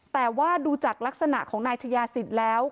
แต่ว่าดูจากลักษณะของนายชายาศิษย์แล้ว